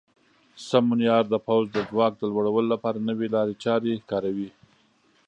سمونیار د پوځ د ځواک د لوړولو لپاره نوې لارې چارې کاروي.